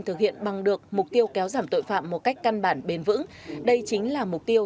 thực hiện bằng được mục tiêu kéo giảm tội phạm một cách căn bản bền vững đây chính là mục tiêu